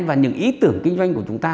và những ý tưởng kinh doanh của chúng ta